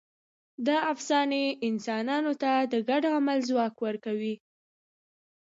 دا افسانې انسانانو ته د ګډ عمل ځواک ورکوي.